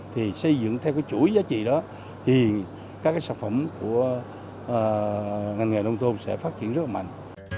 thì xây dựng theo cái chuỗi giá trị đó thì các cái sản phẩm của ngành nghề nông thôn sẽ phát triển rất là mạnh